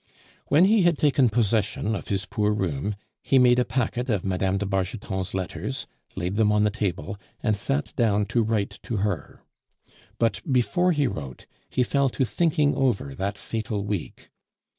When he had taken possession of his poor room, he made a packet of Mme. de Bargeton's letters, laid them on the table, and sat down to write to her; but before he wrote he fell to thinking over that fatal week.